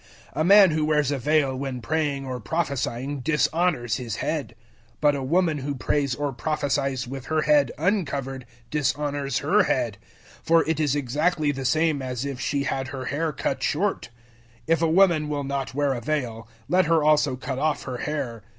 011:004 A man who wears a veil when praying or prophesying dishonors his Head; 011:005 but a woman who prays or prophesies with her head uncovered dishonors her Head, for it is exactly the same as if she had her hair cut short. 011:006 If a woman will not wear a veil, let her also cut off her hair.